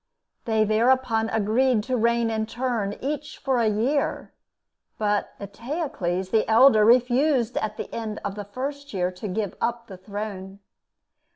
They thereupon agreed to reign in turn, each for a year; but Eteocles, the elder, refused at the end of the first year to give up the throne.